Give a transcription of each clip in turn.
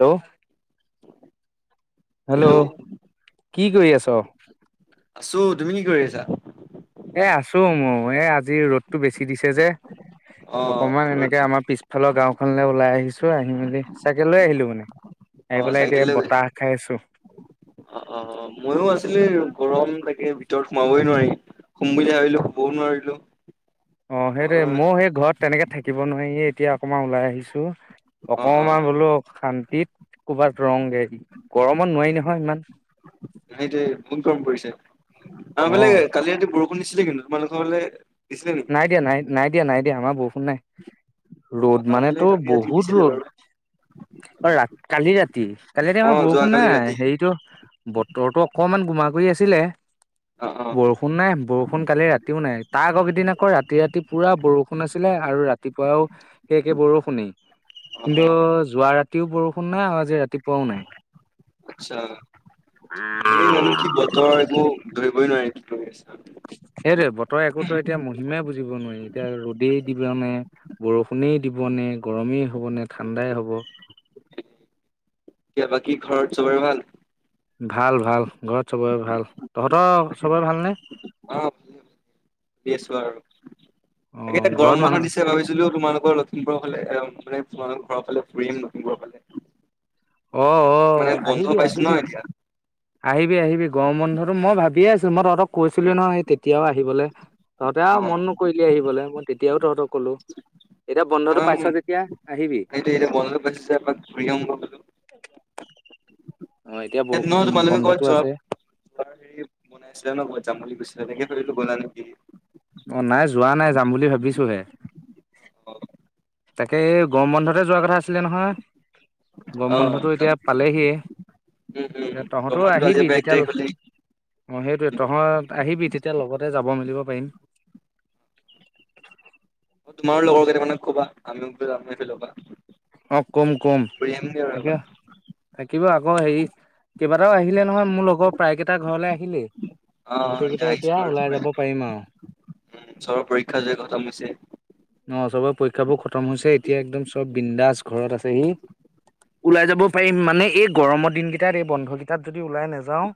Hello. [inaudible] Hello, কি কৰি আছ? আছো, তুমি কি কৰি আছা? এ আছো মও, এ আজি ৰ'দটো বেছি দিছে যে, অ অকমান ৰ'দ এনেকে আমাৰ পিছ ফালৰ গাঁওখনলে ওলাই আহিছো, আহি মেলি চাইকেল লৈ আহিলো মানে আহি অ পেলাই চাইকেল এতিয়া লৈ গৈছা বতাহ খায় আছোঁ। অ অ মইয়ো আছিলো, গৰম তাকে ভিতৰত সোমাবই নোৱাৰি। শুম বুলি ভাবিলো, শুবও নোৱাৰিলো। অ', সেইটোৱেই, মইও সেই ঘৰত তেনেকে থাকিব নোৱাৰি এতিয়া অকমান ওলাই আহিছোঁ‌। অ অ অকমান বোলো শান্তিত ক'ৰবাত ৰঁ‌ওগে, গৰমত নোৱাৰি নহয় ইমান। সেইটোয়ে বহুত গৰম পৰিছে, আমাৰ অ ফালে কালি ৰাতি বৰষু ষুণ দিছিলে কিন্তু, তোমালোকৰ ফালে দিছিলে নেকি? নাই দিয়া, নাই-নাই দিয়া, নাই দিয়া আমাৰ বৰষুণ নাই, ৰ'দ আমাৰ ফালে মানেটো কালি ৰাতি বহুত দিছিলে ৰ'দ। বাৰু অ', ৰা-কালি ৰাতি? কালি ৰাতি অ আমাৰ বৰষুণ যোৱাকালি নাই, ৰাতি হেৰিটো বতৰটো অকমান গোমা কৰি আছিলে। অ'-অ'। বৰষুণ নাই, বৰষুণ কালি ৰাতিও নাই, তাৰ আগৰ গিদিন আ কৌ ৰাতি ৰাতি পুৰা বৰষুণ আছিলে, আৰু ৰাতিপুৱাও সেই একে বৰষুণেই। অ কিন্তু অ যোৱা ৰাতিও বৰষুণ নাই, আৰু আজি ৰাতিপুৱাও নাই। আচ্ছা। এই জানো কি বতৰ একো, ধৰিবই নোৱাৰি [unintelligible] সেইটোৱে বতৰ একো তই এতিয়া মহিমাই বুজিব নোৱাৰি, এতিয়া ৰ'দেই দিবনে বৰষুণেই দিব নে, গৰমেই হ'ব নে, ঠাণ্ডাই হ'ব। এতিয়া বাকী ঘৰত চবৰে ভাল? ভাল ভাল, ঘৰত সবৰে ভাল, তহঁতৰ চবৰে ভালনে? দি আছোঁ আৰু, অ তাকে এতিয়া ঘৰত গৰম বন্ধ মানুহ দিছে ভাবিছিলোঁ তোমালোকৰ ল লখিমপুৰৰ ফালে, মানে তোমালোকৰ ঘৰৰ ফালে ফুৰিম লখিমপুৰৰ ফালে। মানে অ'-অ', বন্ধ আহিবি, পাইছো ন আহিবি। এতিয়া আহিবি আহিবি, গৰম বন্ধটো মই ভাবিয়ে আছিলোঁ‌, মই তহঁতক কৈছিলো নহয় সেই তেতিয়াও আহিবলে। তহঁতে অ আৰু মন নকৰিলি আহিবলে, মই তেতিয়াও তহঁতক ক'লোঁ। এতিয়া বন্ধটো পাইছ যেতিয়া আহিবি। তাকে এতিয়া বন্ধটো পাইছোঁ যেতিয়া এপাক ফুৰি আহোঁ ব'ল। অ', এতিয়া বৰষু উম, বন্ধটো আছে। অ', হেৰি শুনাইছিলে ন, ক'ৰবাত যাম বুলি কৈছিলে, এনেকে ভাবিলোঁ গ'লা নেকি। অ', নাই যোৱা নাই, যাম বুলি ভাবিছোঁ‌ হে। তাকে এই গৰম বন্ধতে যোৱা কথা আছিলে নহয়, অ গৰম বন্ধটো তাত এতিয়া পালেহিয়ে, উম উম এ গৰম তহঁতো বন্ধটো আজিৰ আহিবি পৰা এক তেতিয়া তাৰিখ হ'লেই। অ', সেইটোৱে তহঁত আহিবি, তেতিয়া লগতে যাব মেলিব পাৰিম। অ', তোমাৰো লগৰ কেইটমানক ক'বা, আমিও যাম এইফালৰ পৰা। অ', ক'ম-ক'ম, ঘূৰি আহিমগে আৰু থাকিবা এপাক। থাকিবা আকৌ হেৰি, কেইবাটাও আহিলে নহয়, মোৰ লগৰ প্ৰায় কেইটা ঘৰলে আহিলেই। অ গোটেই কেইটা আহিছো এতিয়া বাৰু ওলাই চবৰে যাব পাৰিম আৰু। উম, চবৰ পৰীক্ষা যে খতম হৈছে। অ', চবৰে পৰীক্ষাবোৰ খতম হৈছে, এতিয়া একদম চব বিন্দাস ঘৰত আছেহি। ওলাই যাব পাৰিম, মানে এই গৰমৰ দিনকেইটাত, এই বন্ধ কেইটাত যদি ওলাই নেযাওঁ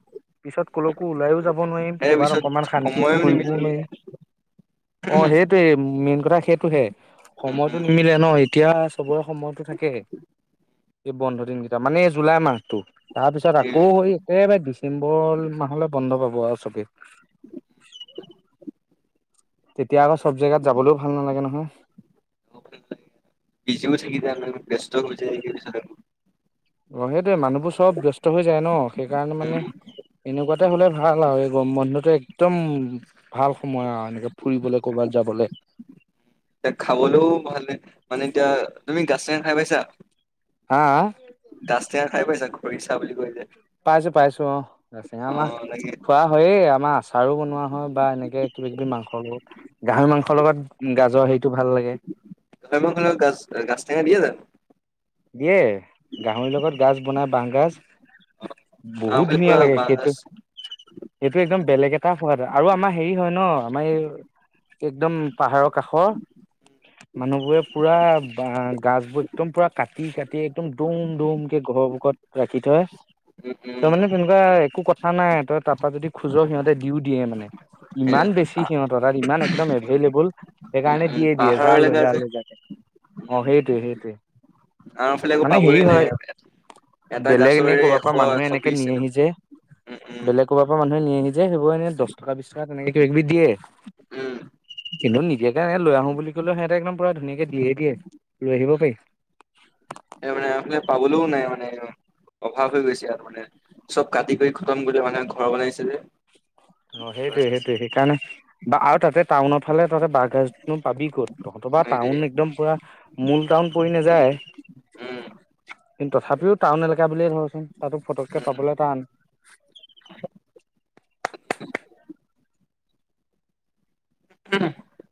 পিছত ক'লৈকো ওলাইও যাব নোৱাৰিম, ইয়াৰ কৰ'বাত পিছত অকমান সময়ো শান্তিত ফুৰিবও নিমিলেগে নোৱাৰিম। অ', সেইটোৱে, মেইন কথা সেইটোহে। সময়তটো উম নিমিলে ন, এতিয়া চবৰে সময়টো থাকে। এই বন্ধ দিনকেইটা, মানে এই জুলাই মাহটো। তাৰপিছত আকৌ একেবাৰে ডিচেম্বৰ মাহলৈ বন্ধ পাব আৰু চবেই। তেতিয়া আকৌ চব জেগাত যাবলৈও ভাল নালাগে নহয়। উম বিজিও থাকি যায়, মানে ব্যস্তও হৈ যায় [unintelligible] পিছতে। অ সেইটোৱে মানুহবোৰ চব ব্যস্ত হৈ যায় ন সেইকাৰণে মানে উম - এনেকুৱাতে হ'লে ভাল আৰু বন্ধটে একদম - ভাল সময় আও এনেকে ফুৰিবলে ক'ৰবাত যাবলে। এতিয়া খাবলৈও ভাল মানে এতিয়া, তুমি গাছটেঙা খাই পাইছা? হা হা? গাছ টেঙা খাই পাইছা? খৰিচা বুলি কৈ যে। পাইছো পাইছো অ গাছটেঙা আমা [unintelligible] খোৱা হয়েই আমাৰ আচাৰো বনোৱা হয় বা এনেকে কিবা কিবি মাংসবোৰত। গাহৰি মাংসৰ লগত গাজৰ সেইটো ভাল লাগে। গাহৰি মাংস লগত গাছ গাছ টেঙা দিয়ে জানো? দিয়ে, গাহৰি লগত গাজ বনাই বাঁহগাজ - আমাৰ বহুত ফালে ধুনীয়া পুৰা লাগে সেইটো বাঁহগাজ - সেইটো একদম বেলেগ এটা সোৱাদ হয়, আৰু আমাৰ হেৰি হয় ন আমাৰ এই - একদম পাহাৰ কাষৰ - মানুহ বোৰে পুৰা বাঁহ গাজবোৰ একদম পুৰা - কাটি কাটি একদম দুম দুমকে ঘৰৰ সন্মুখত ৰাখি থয় - উম তই উম মানে তেনেকুৱা একো কথা নাই তই তাৰ পৰা যদি খোজ সিহঁতে দিও দিয়ে মানে। ইমান সেয়া বেছি সিহঁতৰ তাত ইমান একদম এভেল এবুল - উম সেইকাৰণে উম দিয়ে দিয়ে পাহাৰৰ যা এলেকা লৈযা যে লৈযাকে। উম অ সেইটোৱে সেইটোৱে। আমাৰ ফালে আকৌ মানে হেৰি পাবলৈ নাই হয় এটা বেলেগ গাছৰে এনেই কৰবাৰ এশ পৰা মানুহে এশ এনেকে বিশ এনেকুৱা নিয়েহি যে। উম উম বেলেগ কৰবাৰ পৰা মানুহে নিয়েহি যে সেইবোৰ এনেই দহ টকা বিশ টকা তেনেকে কিবা কিবি দিয়ে। উম। কিন্তু নিদিয়াকে এনে লৈ আহো বুলি কলেও সিহঁতে একদম পুৰা ধুনীয়াকে দিয়ে দিয়ে, লৈ আহিবো পাৰি। এ আমাৰ ফালে পাবলৈও নাই মানে একদম। অভাৱ হৈ গৈছে আৰু মানে, চব কাটি কৰি খটম কৰিলে মানে ঘৰ বনাইছে যে। অ, সেইটোৱে সেইটোৱে সেইকাৰণে - আৰু তাতে টাউনৰ ফালে তহঁতে বাঁহগাজনো পাবি কত, তহঁতৰ পৰা সেইটোৱে টাউন একদম পুৰা - মূল টাউন পৰি নেযায় - উম কিন্তু তথাপিও টাউন এলেকা বুলিয়ে ধৰচোন, তাতো ফটককে উম পাবলে টান।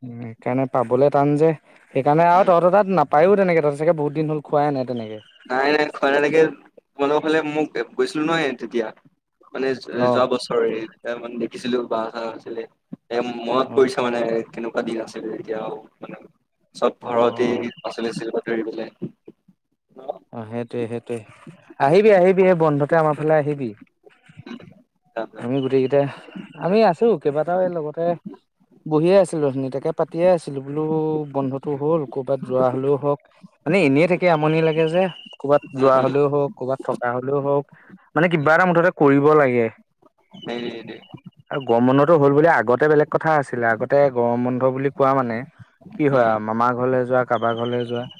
উম, সেইকাৰণে পাবলে টান যে। সেইকাৰণে আৰু উম তহঁতৰ তাত নাপায়ো তেনেকে, তহঁতে চাগে বহুত দিন হল খোৱাই নাই তেনেকে। নাই নাই খোৱা তেনেকে তোমালোকৰ ফালে মোক গৈছিলো নহয় তেতিয়া মানে অ যোৱা বছ ৰে, তেতিয়া মানে দেখিছিলো বাঁহগাজ আছিলে, এ মনত অ পৰিছে মানে কেনে কুৱা দিন আছিলে এতিয়া আও মানে চব অ ঘৰতে পাচলি আছিল বুটলিবলে। অ সেইটোৱে সেইটোৱে, আহিবি আহিবি এই বন্ধতে আমাৰ ফালে আহিবি। উম উম উম আমি গোটেই কেইটাই আমি আছো কেইবাটাও এই লগতে - বহিয়ে আছিলো অথনি তাকে পাতিয়ে আছিলো বোলো বন্ধটো হ'ল ক'ৰবাত যোৱা হলেও হওক। মানে এনেই থাকি আমনি লাগে যে ক'ৰবাত যোৱা হলেও হওক ক'ৰবাত থকা হলেও হওক। মানে কিবা এটা মুঠতে কৰিব লাগে। দে দে - আৰু গৰম বন্ধটো হ'ল বুলিয়ে আগতে বেলেগ কথা আছিলে আগতে গৰম বন্ধ বুলি কোৱা মানে - কি হয় উম আও মামাৰ ঘৰলে যোৱা কাৰোবাৰ ঘৰলে যোৱা -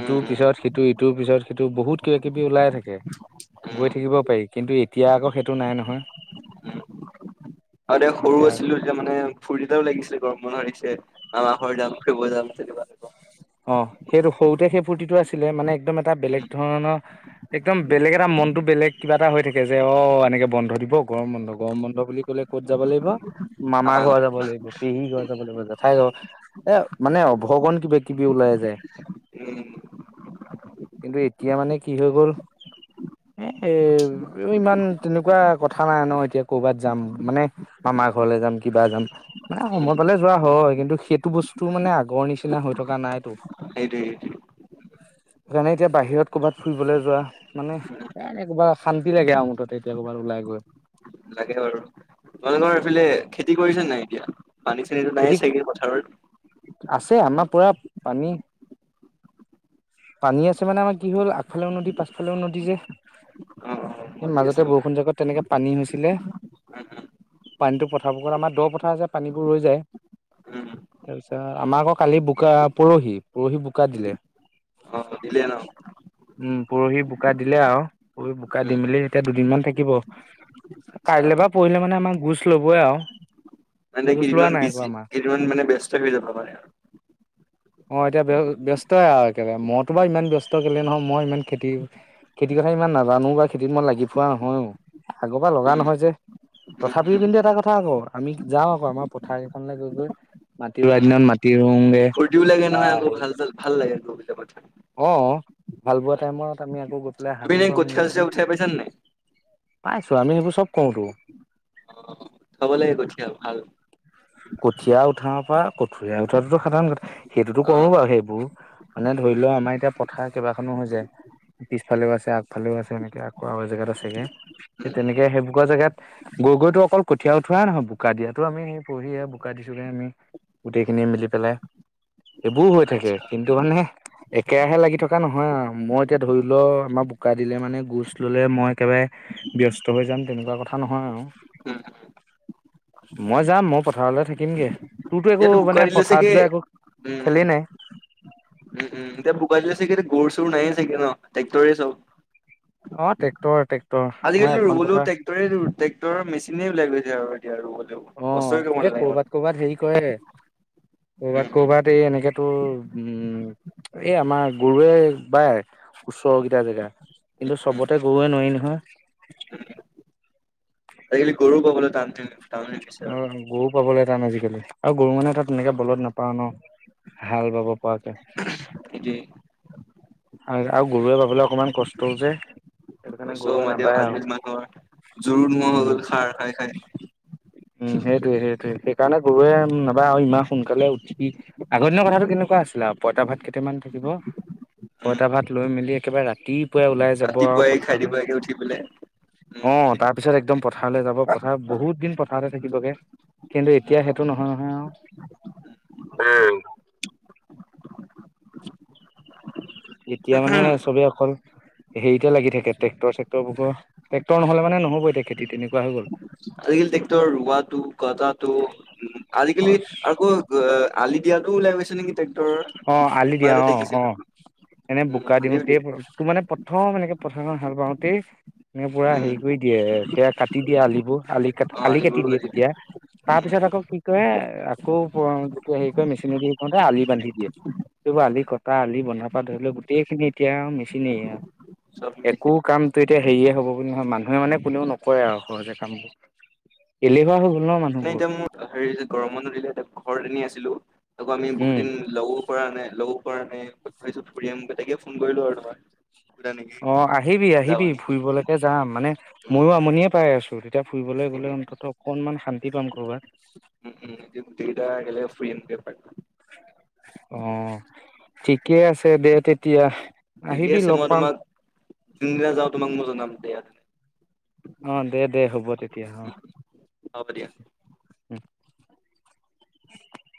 ইটোৰ উম পিছত সিটো ইটোৰ পিছত সিটো বহুত কিবা কিবি ওলাই থাকে। উম গৈ উম থাকিব পাৰি, কিন্তু এতিয়া আক সেইটো নাই নহয়। আগতে সৰু এতিয়া আছিলো। তেতিয়া মানে ফূুৰ্তি এটাও লাগিছিল গৰম বন্ধ আহিছে মামাহ ঘৰ যাম ফুৰিব যাম তেনেকুৱা। টাইপৰ। অহ, সেইটো সৰুতে সেই ফূৰ্তিটো আছিলে, মানে একদম এটা বেলেগ উম ধৰণৰ একদম বেলেগ এটা মনতো বেলেগ কিবা এটা হৈ থাকে, যে অহ, এনেকে বন্ধ দিব গৰম বন্ধ গৰম বন্ধ বুলি কলে ক'ত যাব লাগিব? মামাৰ ঘৰ যাব লাগিব, পেহীৰ ঘৰ যাব লাগিব, জেঠাইৰ ঘৰ এ মানে অভগন কিবা কিবি কিবি ওলাই যায় উম কিন্তু, এতিয়া মানে কি হৈ গ'ল এ ইমান তেনেকুৱা কথা নাই ন' এতিয়া কৰ'বাত যাম, মানে মামাৰ ঘৰলৈ যাম, কিবা যাম। মানে উম সময় পালে যোৱা হয়, কিন্তু সেইটো বস্তু মানে আগৰ নিচিনা হৈ থকা নাইতো। সেইটোৱে সেইটোৱে। যেনে এতিয়া বাহিৰত ক'ৰবাত ফুৰিবলৈ যোৱা, মানে উম, এনে কৰবাৰ অশান্তি লাগে আৰু মুঠতে এতিয়া ক'ৰবাত ওলাই গৈ। লাগে বাৰু, তোমালোকৰ এইফালে খেতি কৰিছে নে নাই এতিয়া পানী চানী নাই খেতি টো চাগে পথাৰত? আছে আমাৰ পুৰা পানী। পানী আছে মানে আমাৰ কি হ'ল, আগফালেও নদী পাছফালেও নদী যে। অ অ এ মৰি আছে মাজতে বৰষুণ জাগাত তেনেকে পানী হৈছিলে। উম পানীটো পথাবোকৰ আমাৰ দ' পথাৰ যে পানীবোৰ ৰৈ যায়। উম উম তাৰপিছত আমাৰ আকৌ কালি বোকা পৰহি পৰহি বোকা দিলে। দিলে ন'? উম, পৰহি বোকা দিলে আৰু পৰহি বোকা দি উম, মেলি এতিয়া দুদিনমান থাকিব। আচ্ছা কাইলৈ বা পৰহিলে মানে আমাৰ গোচ ল'বই আৰু। মানে গোচ লোৱা কেইদিনমান নাই আকৌ বিজী আমাৰ কেইদিনমান মানে ব্যস্ত হৈ যাব পাৰে আৰু। অ', এতিয়া ব্যস্তই আৰু একেবাৰে, মইতো বাৰু ইমান ব্যস্ত কেলে নহয় মই ইমান খেতি খেতিৰ কথা ইমান নাজানোঁ বা খেতিত মই লাগি ফুৰা নহয়ও, আগৰ পৰা লগা উম নহয় উম যে। তথাপিও উম কিন্তু এটা কথা আকৌ, আমি যাও আকৌ আমাৰ পথাৰ কেইখনলে গৈ গৈ মাটি ৰোৱা উম দিনত মা টি ৰুও গে। ফূৰ্তিও লাগে নহয় আকৌ ভাল চাল ভাল লাগে গৈ পেলায় পথাৰত। অ', হাল বোৱা টাইমত আমি আকৌ গৈ পেলাই তুমি হালো এনে কঠিয়া-চঠিয়া উথাই পাইছা নে নাই? পাইছোঁ আমি এইবোৰ চব কৰোঁটো। উঠাব লাগে কঠিয়াল ভাল। কঠীয়া উঠাও পৰা কঠীয়া উঠৱাতো সাধাৰণ কথা সেইটোতো কৰো উম, বাৰু সেইবোৰ। মানে ধৰি লোৱা আমাৰ এতিয়া পথাৰ কেইবাখনো হৈ যায়। উম, পিছফালেও আছে আগফালেও আছে এনেকে আকৌ আৰু এজেগাত আছেগে। সেই উম, তেনেকে সেইবোকৰ জেগাত গৈ গৈটো অকল কঠিয়া উঠোৱাই নহয় বোকা দিয়াতো আমি সেই পুৰহি এইয়া বোকা দিছোগে আমি, গোটেইখিনি মিলি পেলাই। এইবোৰ হৈ থাকে আচ্ছা কিন্তু মানে একেৰাহে লাগি থকা নহয় আৰু মই এতিয়া ধৰি লও'আমাৰ বোকা দিলে মানে গোছ ল'লে মই একেবাৰে ব্যস্ত হৈ যাম তেনেকুৱা কথা নহয় আৰু। উম, উম। মই যাম মই পথাৰলে থাকিমগে, তোৰতো একো এতিয়াতো বোকা মানে দিলে পথাৰত চাগে যোৱা একো উম, খেলেই নাই? উম, উম, এতিয়া বোকা দিলে চাগে এতিয়া গৰু-চৰু নাইে চাগে ন' ট্ৰেক্টৰে চব? অ', ট্ৰেক্টৰ ট্ৰেক্টৰ আজিকালি আমাৰ এখন পথাৰ [unintelligible] ট্ৰেক্টৰৰ মেচিনে ওলাই লৈ যায় আৰু এতিয়া আৰু গ'লেও। অ' এ কৰবাত কৰবাত হেৰি কৰে উম, ক'ৰবাত ক'ৰবাত এই এনেকে তোৰ উম এ আমাৰ গৰুৱে বায় ওচৰৰ কিটা জেগা কিন্তু উম, উম। চবতে গৰুৱে নোৱাৰি নহয়। আজি কালি গৰু পাবলৈ টান টান হৈ গৈছে আৰু অ' গৰু পাবলৈ টান আজিকালি আৰু গৰু মানে তাত তেনেকে বলদ নাপাৱ ন। হাল বাব পৰাকে। [inaudible] হয় আৰু গৰুৱে বাবলৈ অকণমান কষ্টও যে। সেইটো কাৰণে গৰুৱে [unintelligible] নাবায় আজি আৰু কালি মানুহৰ জোৰ নোহোৱা উম, হৈ গ'ল সাৰ খাই খাই। উম সেইটোৱে সেইটোৱে সেইকাৰণে গৰুৱে নাবায় আৰু ইমান সোনকালে উঠি আগৰ দিনৰ কথাটো কেনেকুৱা আছিল আও, পইতা ভাত কেইটামান থাকিব উম, পঁইতা ভাত লৈ মেলি একেবাৰে ৰাতিপুৱাই ওলাই যাব আৰু ৰাতিপুৱাই খাই দিব পথাৰলৈ লাগে উঠি পেলাই উম, অ' তাৰ পিছত একদম পথাৰলৈ যাব পথাৰ বহুত দিন পথাৰতে থাকিবগে। কিন্তু এতিয়া উম। সেইটো নহয় নহয় আৰু। এতিয়া মানে উম। চবেই অকল হেৰিতে লাগি থাকে ট্ৰেক্টৰ চেকটৰ [unintelligible] ট্ৰেক্টৰ নহ'লে মানে নহ'ব এতিয়া খেতি তেনেকুৱা হৈ গ'ল আজিকালি ট্ৰেক্টৰৰ ৰোৱাটো কাটাটো উ অ আজিকালি আকৌ অ' আলি দিয়াটোও ওলাই গৈছে নেকি ট্ৰেক্টৰৰ অ' আলি দিয়া মাজতে অ অ দেখিছিলো এনে উম বোকা আলিও দিওঁতেই দিয়ে তোৰ মানে প্ৰথম এনেকে পথাৰখন হাল বাওঁতেই এ পুৰা হেৰি কৰি উম দিয়ে সেয়া কাটি দিয়ে আলিবোৰ আলি কাট আলি কাটি দিয়ে তেতিয়া তাৰপিছত উম আকৌ উম কি কৰে আকৌ যেতিয়া হেৰি কৰে মেচিনে দি কৰোতে আলি বান্ধি দিয়ে এইবোৰ আলি কটা আলি বন্ধা পা ধৰি ল গোটেইখিনি এতিয়া আও মেচিনেৰে আৰু চব একো মেচিন কামটো এতিয়া হেৰিয়ে হ'ব বুলি নহয় মানুহে মানে কোনেও নকৰে আৰু সহজে কামবোৰ এলেহুৱা হৈ গ'ল ন মানুহ মানে এতিয়া মোৰ হেৰি গৰম বন্ধ দিলে এতিয়া ঘৰত এনেই আছিলো আকৌ আমি বহুত উম দিন লগো কৰা নাই লগো কৰা নাই [unintelligible] ফুৰি আহোগৈ তাকে ফোন কৰিলো আৰু তোমাক সোধা নেকি অ' আহিবি যাবা আহিবি নেকি ফুৰিবলৈকো যাম মানে উম ময়ো আমনিয়ে পাই আছোঁ তেতিয়া ফুৰিবলৈ গ'লে এনেই অন্ততঃ অকনমান শান্তি পাম কৰ'বাত দুইটাই একেলগে ফুৰিমগৈ [unintelligible] অ' থিকে আছে দে তেতিয়া থিকে আহিবি আছে লগ মই পাম তোমাক জোনদিনা যাওঁ তোমাক মই জনাম দিয়া উম, অ' দে দে হ'ব তেতিয়া অ' হ'ব দিয়া